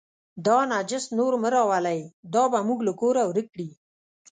دا نجس نور مه راولئ، دا به موږ له کوره ورک کړي.